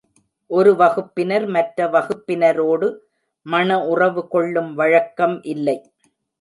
ஒரு வகுப்பினர் மற்ற வகுப்பினரோடு மண உறவு கொள்ளும் வழக்கம் இல்லை.